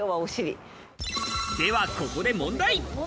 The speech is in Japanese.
ではここで問題。